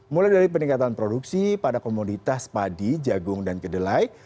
mulai dari peningkatan produksi pada komoditas padi jagung dan kedelai